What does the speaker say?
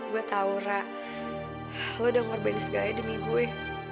gue tau ra lo udah ngorbanin segalanya demi gue